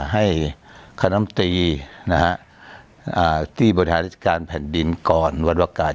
ให้คนามตรีที่บนหาราชการแผ่นดินก่อนวันวกกาด